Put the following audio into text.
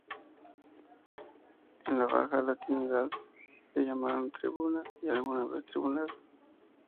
En la baja latinidad le llamaron "tribuna" y alguna vez "tribunal".